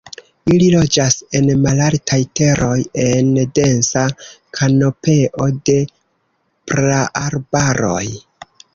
Ili loĝas en malaltaj teroj, en densa kanopeo de praarbaroj.